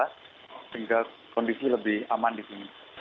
sehingga kondisi lebih aman di sini